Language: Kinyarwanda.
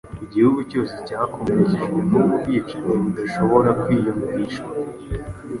"Igihugu cyose cyakomerekejwe n'ubu bwicanyi budashobora kwiyumvishwa.